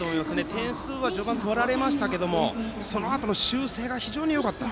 点数は序盤取られましたがそのあとの修正が非常によかった。